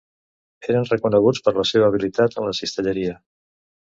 Eren reconeguts per la seva habilitat en la cistelleria.